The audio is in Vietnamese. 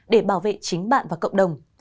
để bảo vệ chính bạn và cộng đồng